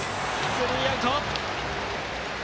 スリーアウト。